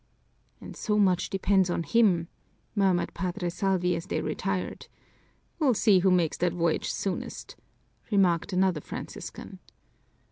"And so much depends on him," murmured Padre Salvi as they retired. "We'll see who makes that voyage soonest!" remarked another Franciscan.